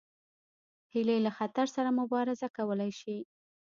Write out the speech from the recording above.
هیلۍ له خطر سره مبارزه کولی شي